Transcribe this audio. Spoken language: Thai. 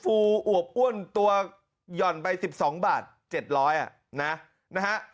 ฟูฟูอวกอ้วนตัวย่อนไป๑๒บาท๗๐๐บาทนะฮะ